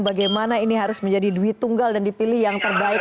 bagaimana ini harus menjadi duit tunggal dan dipilih yang terbaik